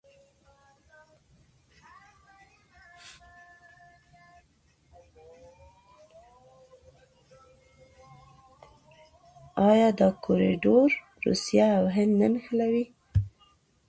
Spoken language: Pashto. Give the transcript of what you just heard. آیا دا کوریډور روسیه او هند نه نښلوي؟